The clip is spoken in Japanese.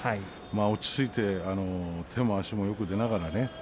落ち着いて手も足もよく出ながら。